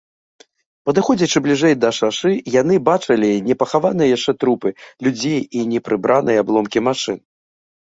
Падыходзячы бліжэй да шашы, яны бачылі непахаваныя яшчэ трупы людзей і непрыбраныя абломкі машын.